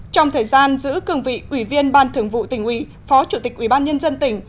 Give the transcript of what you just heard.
trong thời gian giữ cương vị ủy viên ban thường vụ tỉnh ủy phó chủ tịch ủy ban nhân dân tỉnh